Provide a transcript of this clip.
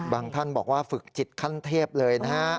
ท่านบอกว่าฝึกจิตขั้นเทพเลยนะฮะ